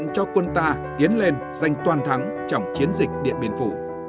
cho nên giành toàn thắng trong chiến dịch điện biên phủ